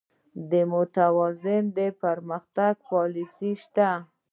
د متوازن پرمختګ پالیسي شته؟